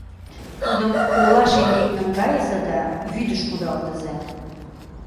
Тудым ола шеҥгек наҥгайыза да вӱдыш кудалтыза.